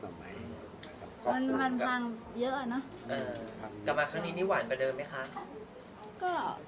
มาครั้งนี้นี่หวานกว่าเดิมมั้ยคะ